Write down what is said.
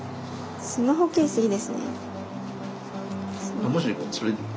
スマホケースいいですね。